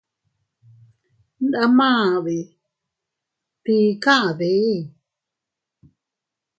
Ndamade ¿tii kade?